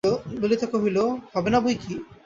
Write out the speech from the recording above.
ললিতা কহিল, হবে না বৈকি!